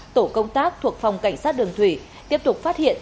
tổ công tác thuộc phòng cảnh sát đường thủy tiếp tục phát hiện